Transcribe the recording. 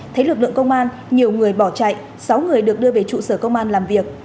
thấy lực lượng công an nhiều người bỏ chạy sáu người được đưa về trụ sở công an làm việc